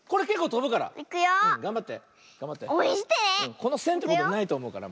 このせんってことないとおもうから。